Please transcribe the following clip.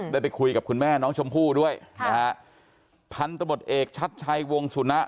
ได้ไปคุยกับคุณแม่น้องชมผู้ด้วยพันธุบัตรเอกชัดชัยวงสุณะ